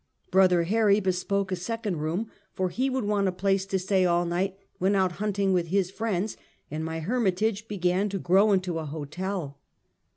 Brother Harry bespoke a second room, for he would want a place to stay all night when out hunting with his friends, and my hermitage began to grow into a hotel.